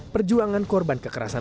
perjuangan korban kematian